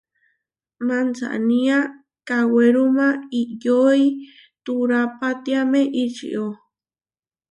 Mansanía kawéruma iʼyói turapatiáme ičió.